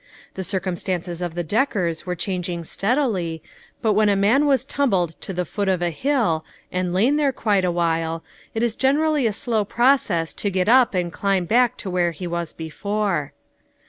The circumstances 400 THE CROWNING WONDER. 401 of the Deckers were changing steadily, but when a man has tumbled to the foot of a hill, and lain there quite awhile, it is generally a slow process to get up and climb back to where he was before.